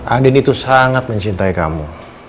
aden itu sangat mencintai kamu